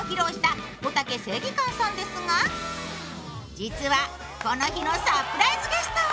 実はこの日のサプライズゲストは